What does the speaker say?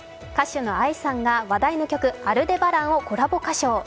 歌手のＡＩさんが話題の曲「アルデバラン」をコラボ歌唱。